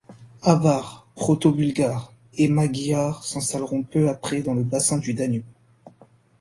Avars, Proto-Bulgares et Magyars s’installeront peu après dans le bassin du Danube.